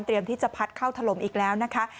เตรียมที่จะพัดเข้าถลมอีกแล้วนะคะ